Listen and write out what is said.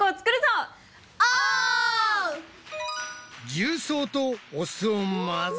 重曹とお酢を混ぜ。